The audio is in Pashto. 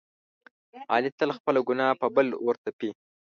علي تل خپله ګناه په بل ورتپي.